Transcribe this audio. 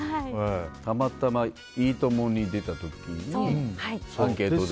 たまたま「いいとも！」に出た時にアンケートで。